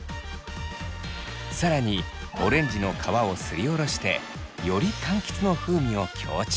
更にオレンジの皮をすりおろしてよりかんきつの風味を強調。